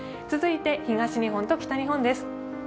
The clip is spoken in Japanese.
続いて、東日本と北日本です。